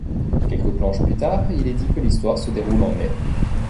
Quelques planches plus tard, il est dit que l'histoire se déroule en mai.